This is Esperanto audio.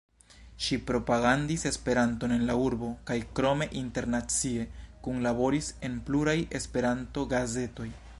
Ŝi propagandis Esperanton en la urbo kaj krome internacie kunlaboris en pluraj Esperanto-gazetoj.